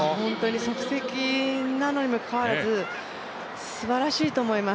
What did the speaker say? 即席なのにもかかわらずすばらしいと思います。